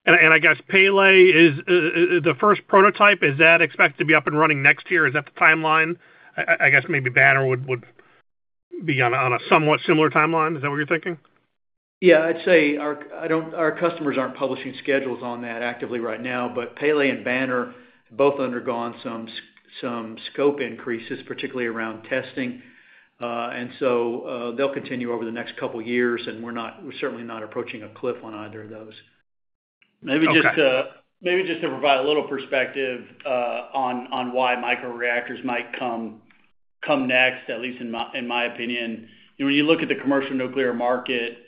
And I guess Pele is the first prototype. Is that expected to be up and running next year? Is that the timeline? I guess maybe BANR would be on a somewhat similar timeline. Is that what you're thinking? Yeah. I'd say our customers aren't publishing schedules on that actively right now. But Pele and BANR have both undergone some scope increases, particularly around testing. And so they'll continue over the next couple of years, and we're certainly not approaching a cliff on either of those. Maybe just to provide a little perspective on why micro-reactors might come next, at least in my opinion. When you look at the commercial nuclear market,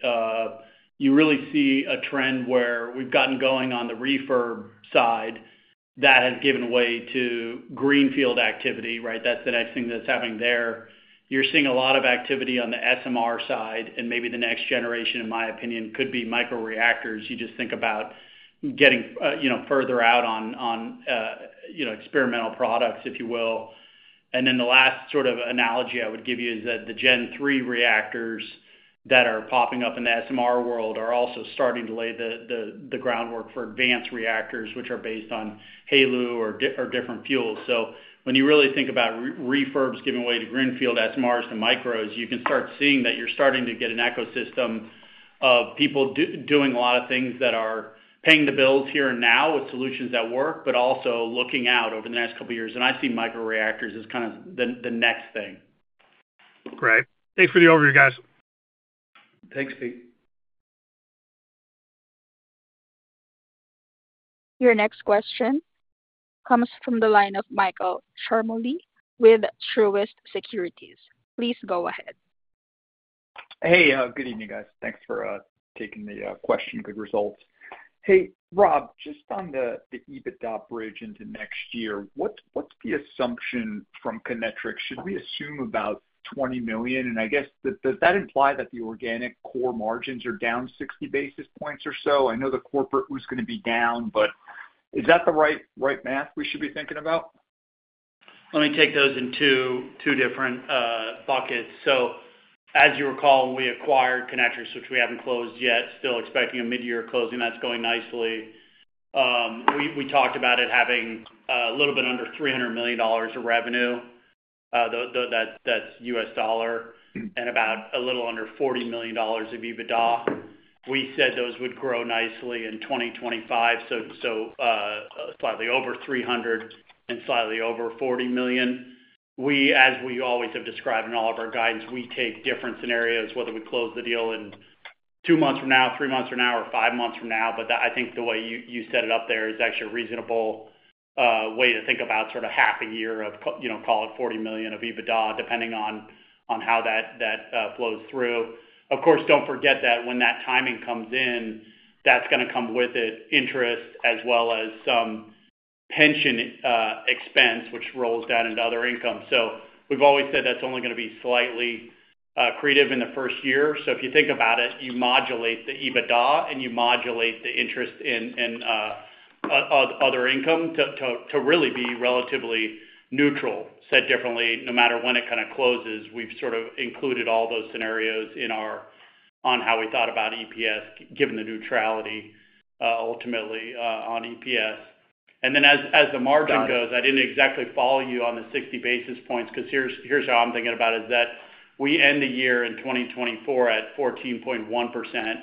you really see a trend where we've gotten going on the refurb side that has given way to greenfield activity, right? That's the next thing that's happening there. You're seeing a lot of activity on the SMR side, and maybe the next generation, in my opinion, could be micro-reactors. You just think about getting further out on experimental products, if you will. And then the last sort of analogy I would give you is that the Gen-3 reactors that are popping up in the SMR world are also starting to lay the groundwork for advanced reactors, which are based on HALEU or different fuels. So when you really think about refurbs giving way to greenfield SMRs to micros, you can start seeing that you're starting to get an ecosystem of people doing a lot of things that are paying the bills here and now with solutions that work, but also looking out over the next couple of years. And I see micro reactors as kind of the next thing. Great. Thanks for the overview, guys. Thanks, Pete. Your next question comes from the line of Michael Ciarmoli with Truist Securities. Please go ahead. Hey, good evening, guys. Thanks for taking the question. Good results. Hey, Rob, just on the EBITDA bridge into next year, what's the assumption from Kinectrics? Should we assume about $20 million? And I guess does that imply that the organic core margins are down 60 basis points or so? I know the corporate was going to be down, but is that the right math we should be thinking about? Let me take those in two different buckets. So as you recall, we acquired Kinectrics, which we haven't closed yet, still expecting a mid-year closing. That's going nicely. We talked about it having a little bit under $300 million of revenue. That's U.S. dollar and about a little bit under $40 million of EBITDA. We said those would grow nicely in 2025, so slightly over 300 and slightly over 40 million. As we always have described in all of our guidance, we take different scenarios, whether we close the deal in two months from now, three months from now, or five months from now. I think the way you set it up there is actually a reasonable way to think about sort of half a year of, call it 40 million of EBITDA, depending on how that flows through. Of course, do not forget that when that timing comes in, that is going to come with it, interest as well as some pension expense, which rolls down into other income. We have always said that is only going to be slightly accretive in the first year. If you think about it, you modulate the EBITDA, and you modulate the interest and other income to really be relatively neutral. Said differently, no matter when it kind of closes, we have sort of included all those scenarios in our run on how we thought about EPS, given the neutrality ultimately on EPS. And then as the margin goes, I didn't exactly follow you on the 60 basis points because here's how I'm thinking about it, is that we end the year in 2024 at 14.1%.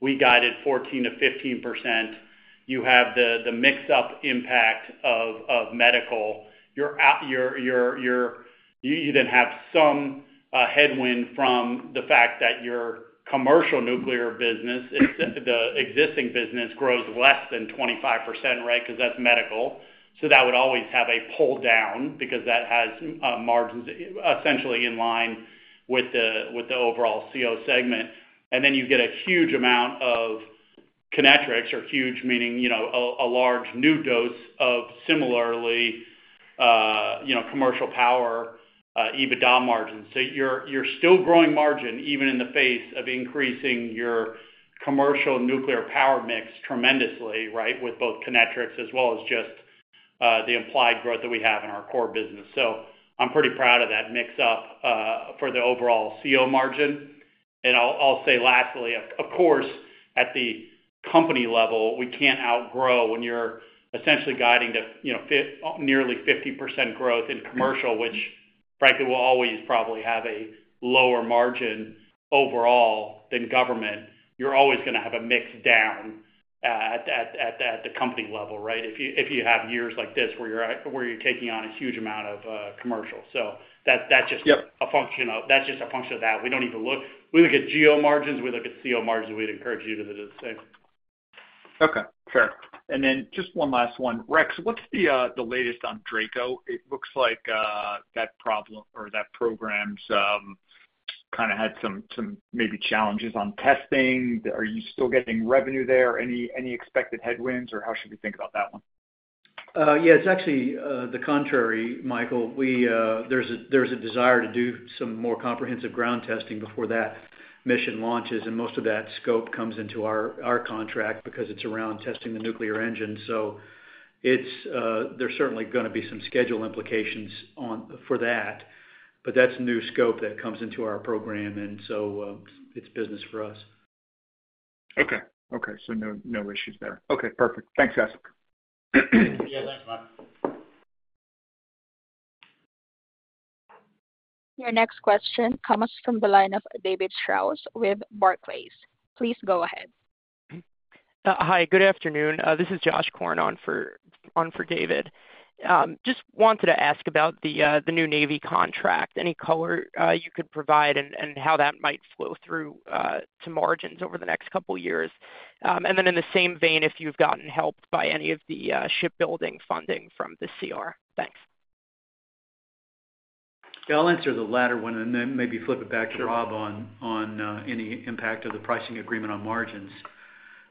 We guided 14%-15%. You have the mix-up impact of medical. You then have some headwind from the fact that your commercial nuclear business, the existing business, grows less than 25%, right? Because that's medical. So that would always have a pull down because that has margins essentially in line with the overall CO segment. And then you get a huge amount of Kinectrics, or huge meaning a large new dose of similarly commercial power EBITDA margin. So you're still growing margin even in the face of increasing your commercial nuclear power mix tremendously, right, with both Kinectrics as well as just the implied growth that we have in our core business. So I'm pretty proud of that mix-up for the overall CO margin. And I'll say lastly, of course, at the company level, we can't outgrow when you're essentially guiding to nearly 50% growth in commercial, which, frankly, will always probably have a lower margin overall than government. You're always going to have a mix down at the company level, right, if you have years like this where you're taking on a huge amount of commercial. So that's just a function of that. We don't even look. We look at GO margins. We look at CO margins. We'd encourage you to do the same. Okay. Fair. And then just one last one. Rex, what's the latest on DRACO? It looks like that program has had some challenges on testing. Are you still getting revenue there? Any expected headwinds, or how should we think about that one? Yeah. It's actually the contrary, Michael. There's a desire to do some more comprehensive ground testing before that mission launches. And most of that scope comes into our contract because it's around testing the nuclear engine. So there's certainly going to be some schedule implications for that. But that's new scope that comes into our program. And so it's business for us. Okay. Okay. So no issues there. Okay. Perfect. Thanks, guys. Yeah. Thanks, Matt. Your next question comes from the line of David Strauss with Barclays. Please go ahead. Hi. Good afternoon. This is Josh Korn on for David. Just wanted to ask about the new Navy contract. Any color you could provide and how that might flow through to margins over the next couple of years. And then in the same vein, if you've gotten help by any of the shipbuilding funding from the CR. Thanks. I'll answer the latter one and then maybe flip it back to Rob on any impact of the pricing agreement on margins.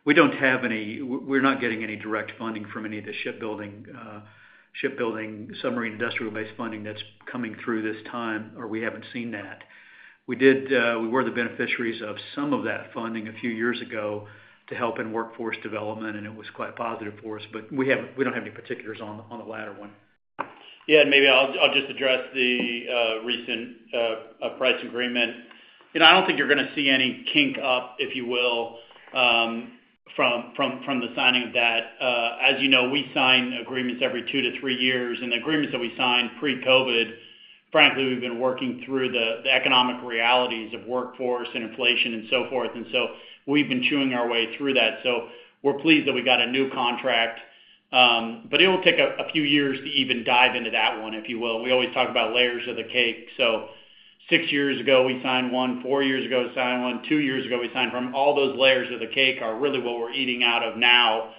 We don't have any. We're not getting any direct funding from any of the shipbuilding submarine industrial-based funding that's coming through this time, or we haven't seen that. We were the beneficiaries of some of that funding a few years ago to help in workforce development, and it was quite positive for us. But we don't have any particulars on the latter one. Yeah. And maybe I'll just address the recent price agreement. I don't think you're going to see any kick up, if you will, from the signing of that. As you know, we sign agreements every two to three years. And the agreements that we signed pre-COVID, frankly, we've been working through the economic realities of workforce and inflation and so forth. So we've been chewing our way through that. We're pleased that we got a new contract. But it will take a few years to even dive into that one, if you will. We always talk about layers of the cake. Six years ago, we signed one. Four years ago, we signed one. Two years ago, we signed one. All those layers of the cake are really what we're eating out of now.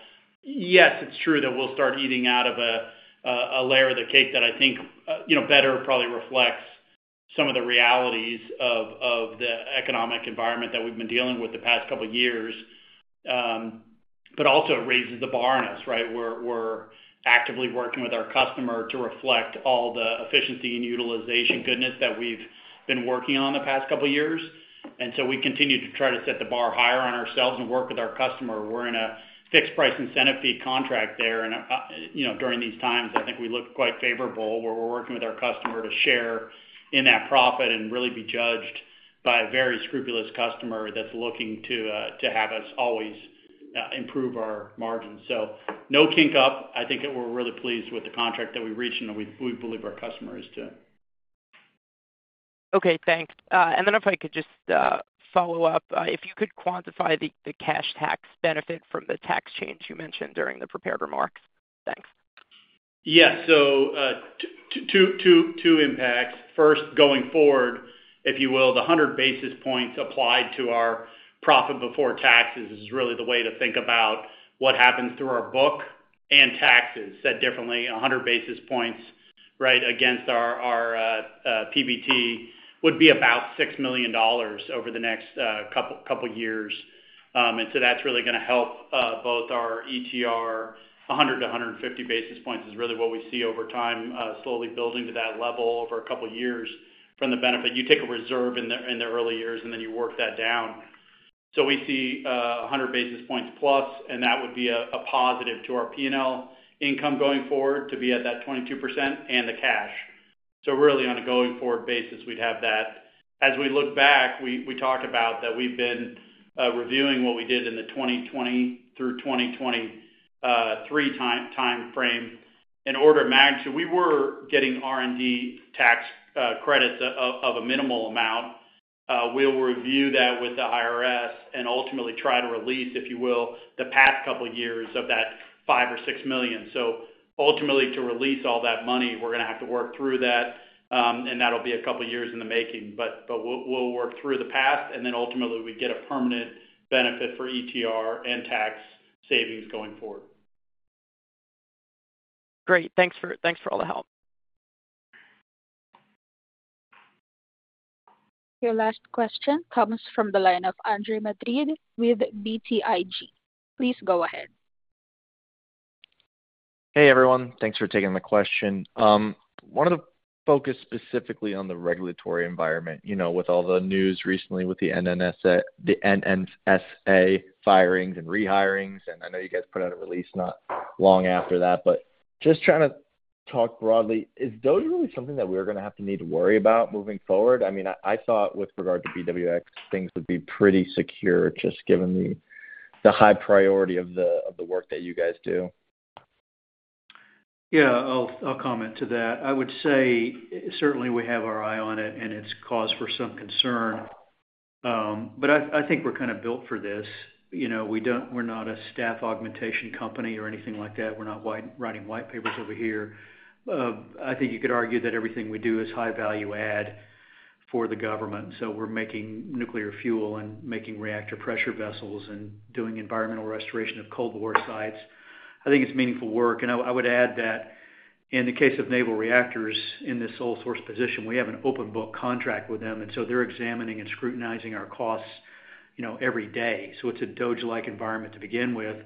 Yes, it's true that we'll start eating out of a layer of the cake that I think better probably reflects some of the realities of the economic environment that we've been dealing with the past couple of years. But also it raises the bar on us, right? We're actively working with our customer to reflect all the efficiency and utilization goodness that we've been working on the past couple of years. And so we continue to try to set the bar higher on ourselves and work with our customer. We're in a Fixed-Price Incentive Fee contract there. And during these times, I think we look quite favorable. We're working with our customer to share in that profit and really be judged by a very scrupulous customer that's looking to have us always improve our margins. So no kink up. I think we're really pleased with the contract that we reached, and we believe our customer is too. Okay. Thanks. And then if I could just follow up, if you could quantify the cash tax benefit from the tax change you mentioned during the prepared remarks. Thanks. Yeah. So two impacts. First, going forward, if you will, the 100 basis points applied to our profit before taxes is really the way to think about what happens through our book and taxes. Said differently, 100 basis points, right, against our PBT would be about $6 million over the next couple of years. And so that's really going to help both our ETR. 100-150 basis points is really what we see over time slowly building to that level over a couple of years from the benefit. You take a reserve in the early years, and then you work that down. So we see 100 basis points plus, and that would be a positive to our P&L income going forward to be at that 22% and the cash. So really, on a going forward basis, we'd have that. As we look back, we talk about that we've been reviewing what we did in the 2020 through 2023 timeframe. In order to match it, we were getting R&D tax credits of a minimal amount. We'll review that with the IRS and ultimately try to release, if you will, the past couple of years of that $5 million or $6 million. So ultimately, to release all that money, we're going to have to work through that. And that'll be a couple of years in the making. But we'll work through the past, and then ultimately, we get a permanent benefit for ETR and tax savings going forward. Great. Thanks for all the help. Your last question comes from the line of Andre Madrid with BTIG. Please go ahead. Hey, everyone. Thanks for taking the question. I wanted to focus specifically on the regulatory environment with all the news recently with the NNSA firings and rehirings. And I know you guys put out a release not long after that. But just trying to talk broadly, is those really something that we're going to have to need to worry about moving forward? I mean, I thought with regard to BWXT, things would be pretty secure just given the high priority of the work that you guys do. Yeah. I'll comment to that. I would say certainly we have our eye on it, and it's cause for some concern. But I think we're kind of built for this. We're not a staff augmentation company or anything like that. We're not writing white papers over here. I think you could argue that everything we do is high-value add for the government. So we're making nuclear fuel and making reactor pressure vessels and doing environmental restoration of Cold War sites. I think it's meaningful work. I would add that in the case of naval reactors in this sole source position, we have an open book contract with them. So they're examining and scrutinizing our costs every day. It's a dog-eat-dog environment to begin with.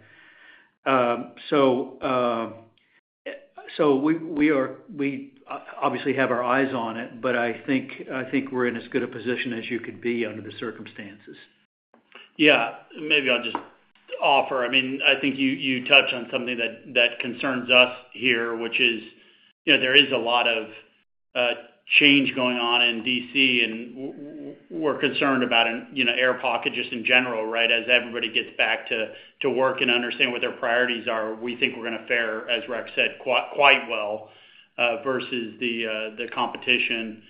We obviously have our eyes on it, but I think we're in as good a position as you could be under the circumstances. Yeah. Maybe I'll just offer. I mean, I think you touched on something that concerns us here, which is there is a lot of change going on in D.C., and we're concerned about an air pocket just in general, right? As everybody gets back to work and understand what their priorities are, we think we're going to fare, as Rex said, quite well versus the competition.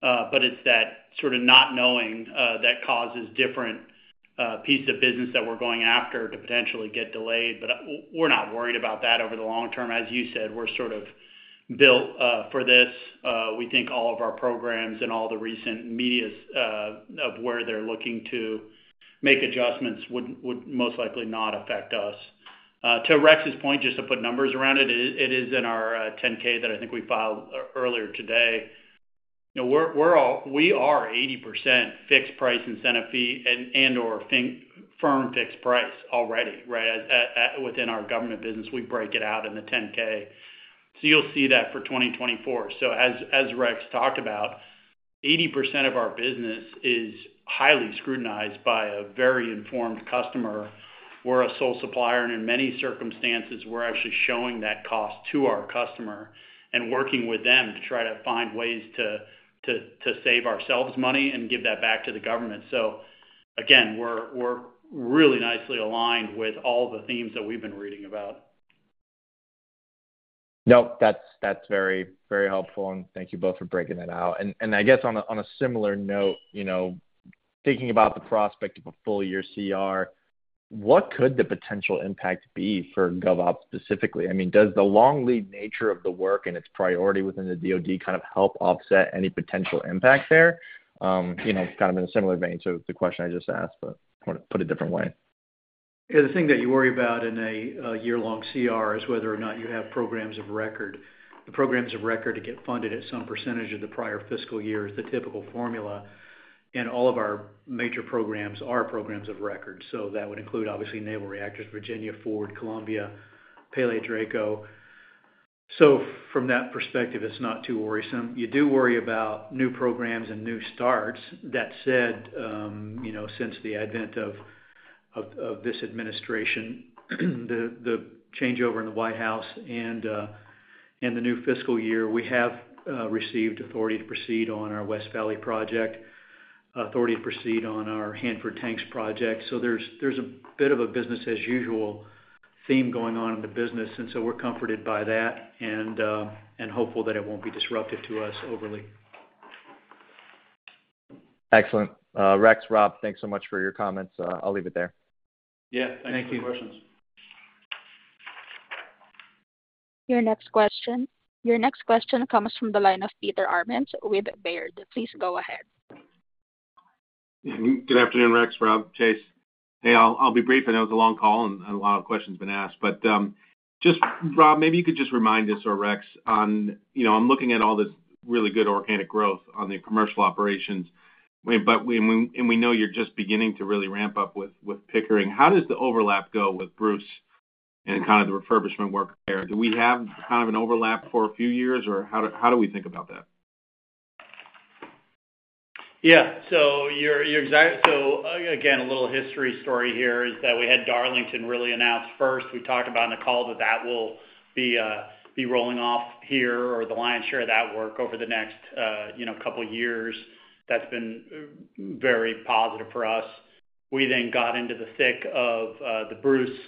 But it's that sort of not knowing that causes different pieces of business that we're going after to potentially get delayed. But we're not worried about that over the long term. As you said, we're sort of built for this. We think all of our programs and all the recent media of where they're looking to make adjustments would most likely not affect us. To Rex's point, just to put numbers around it, it is in our 10-K that I think we filed earlier today. We are 80% fixed price incentive fee and/or firm fixed price already, right? Within our government business, we break it out in the 10-K. So you'll see that for 2024. So as Rex talked about, 80% of our business is highly scrutinized by a very informed customer. We're a sole supplier. And in many circumstances, we're actually showing that cost to our customer and working with them to try to find ways to save ourselves money and give that back to the government. So again, we're really nicely aligned with all the themes that we've been reading about. Nope. That's very, very helpful. And thank you both for breaking that out. And I guess on a similar note, thinking about the prospect of a full-year CR, what could the potential impact be for GovOps specifically? I mean, does the long lead nature of the work and its priority within the DOD kind of help offset any potential impact there? Kind of in a similar vein to the question I just asked, but put it a different way. Yeah. The thing that you worry about in a year-long CR is whether or not you have programs of record. The programs of record to get funded at some percentage of the prior fiscal year is the typical formula, and all of our major programs are programs of record, so that would include, obviously, Naval Reactors, Virginia, Ford, Columbia, Pele, Draco. From that perspective, it's not too worrisome. You do worry about new programs and new starts. That said, since the advent of this administration, the changeover in the White House and the new fiscal year, we have received authority to proceed on our West Valley project, authority to proceed on our Hanford tanks project. There's a bit of a business-as-usual theme going on in the business, and so we're comforted by that and hopeful that it won't be disruptive to us overly. Excellent. Rex, Rob, thanks so much for your comments. I'll leave it there. Yeah. Thank you. No questions. Your next question. Your next question comes from the line of Peter Arment with Baird. Please go ahead. Good afternoon, Rex, Rob, Chase. Hey, I'll be brief. I know it's a long call and a lot of questions have been asked. But just, Rob, maybe you could just remind us or Rex on. I'm looking at all this really good organic growth on the commercial operations. And we know you're just beginning to really ramp up with Pickering. How does the overlap go with Bruce and kind of the refurbishment work there? Do we have kind of an overlap for a few years, or how do we think about that? Yeah. So again, a little history story here is that we had Darlington really announced first. We talked about in the call that that will be rolling off here or the lion's share of that work over the next couple of years. That's been very positive for us. We then got into the thick of the Bruce.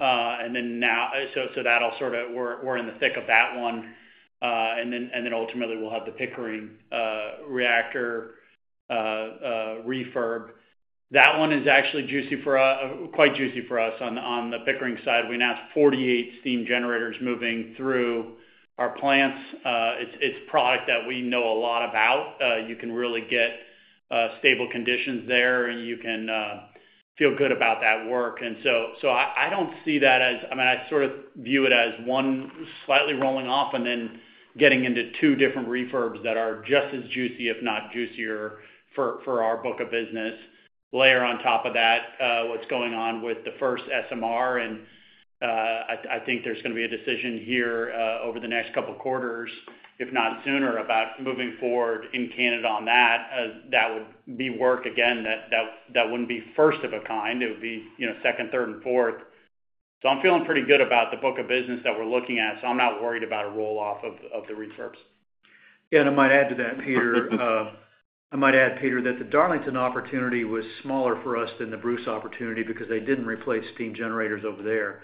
And then now, so that'll sort of we're in the thick of that one. And then ultimately, we'll have the Pickering reactor refurb. That one is actually quite juicy for us on the Pickering side. We announced 48 steam generators moving through our plants. It's product that we know a lot about. You can really get stable conditions there, and you can feel good about that work. And so I don't see that as, I mean, I sort of view it as one slightly rolling off and then getting into two different refurbs that are just as juicy, if not juicier, for our book of business. Layer on top of that, what's going on with the first SMR. And I think there's going to be a decision here over the next couple of quarters, if not sooner, about moving forward in Canada on that. That would be work, again, that wouldn't be first of a kind. It would be second, third, and fourth. So I'm feeling pretty good about the book of business that we're looking at. So I'm not worried about a roll-off of the refurbs. Yeah. And I might add to that, Peter. I might add, Peter, that the Darlington opportunity was smaller for us than the Bruce opportunity because they didn't replace steam generators over there.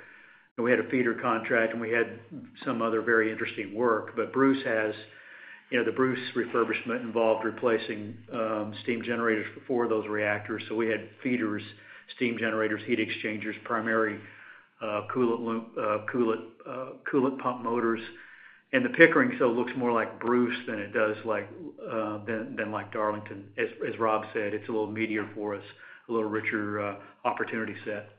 We had a feeder contract, and we had some other very interesting work. But Bruce has the Bruce refurbishment involved replacing steam generators for those reactors. So we had feeders, steam generators, heat exchangers, primary coolant pump motors. And the Pickering still looks more like Bruce than it does like Darlington. As Rob said, it's a little meatier for us, a little richer opportunity set.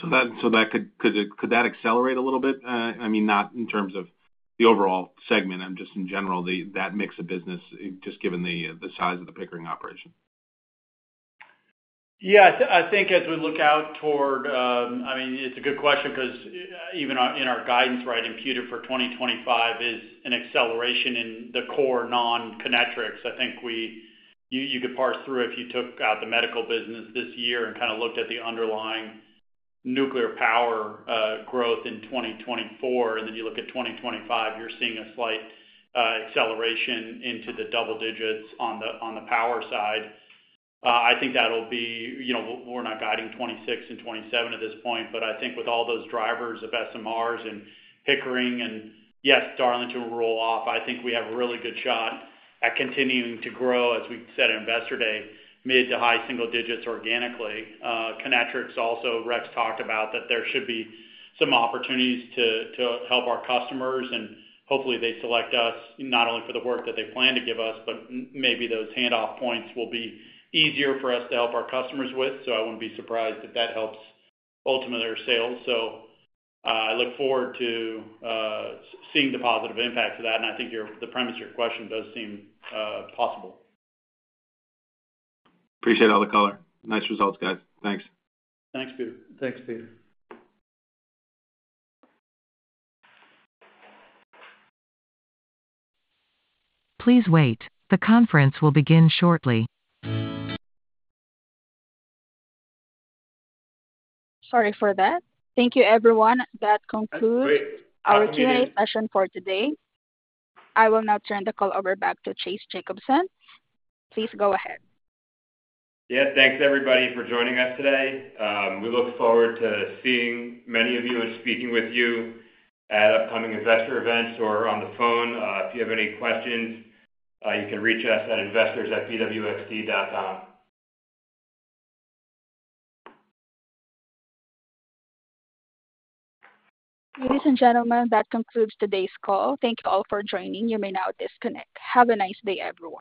So could that accelerate a little bit? I mean, not in terms of the overall segment, just in general, that mix of business, just given the size of the Pickering operation. Yeah. I think as we look out toward. I mean, it's a good question because even in our guidance, right, imputed for 2025 is an acceleration in the core non-Kinectrics. I think you could parse through it if you took out the medical business this year and kind of looked at the underlying nuclear power growth in 2024. And then you look at 2025, you're seeing a slight acceleration into the double digits on the power side. I think that'll be. We're not guiding 2026 and 2027 at this point. But I think with all those drivers of SMRs and Pickering and, yes, Darlington roll-off, I think we have a really good shot at continuing to grow, as we said at investor day, mid- to high-single digits organically. Kinectrics also, Rex talked about that there should be some opportunities to help our customers. And hopefully, they select us not only for the work that they plan to give us, but maybe those handoff points will be easier for us to help our customers with. So I wouldn't be surprised if that helps ultimately our sales. So I look forward to seeing the positive impact of that. And I think the premise of your question does seem possible. Appreciate all the color. Nice results, guys. Thanks. Thanks, Peter. Thanks, Peter. Please wait. The conference will begin shortly. Sorry for that. Thank you, everyone. That concludes our Q&A session for today. I will now turn the call over back to Chase Jacobson. Please go ahead. Yes. Thanks, everybody, for joining us today. We look forward to seeing many of you and speaking with you at upcoming investor events or on the phone. If you have any questions, you can reach us at investors@bwxt.com. Ladies and gentlemen, that concludes today's call. Thank you all for joining. You may now disconnect. Have a nice day, everyone.